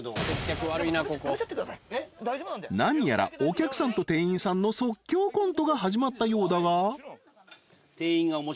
［何やらお客さんと店員さんの即興コントが始まったようだが］